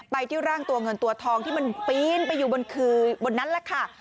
ไปที่ร่างตัวเงินตัวทองที่มันปีนไปอยู่บนคือบนนั้นแหละค่ะ